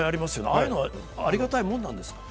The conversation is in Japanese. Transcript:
ああいうのはありがたいもんなんですか？